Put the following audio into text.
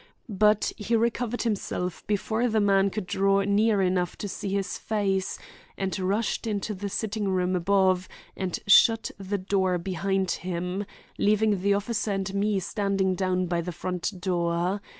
But he recovered himself before the man could draw near enough to see his face, and rushed into the sitting room above and shut the door behind him, leaving the officer and me standing down by the front door.